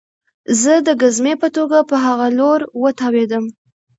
زه د ګزمې په توګه په هغه لور ورتاوېدم